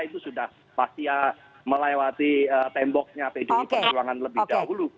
itu sudah pasti melewati temboknya pdi perjuangan lebih dahulu